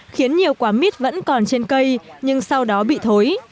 khiến nhiều quả mít vẫn còn trên cây nhưng sau đó bị thối